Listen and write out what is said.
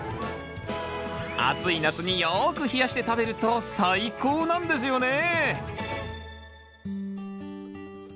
暑い夏によく冷やして食べると最高なんですよね！